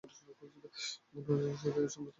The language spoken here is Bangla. ঘূর্ণন দরজা স্বার্থের সংঘাত ও দুর্নীতির একটি উদাহরণ।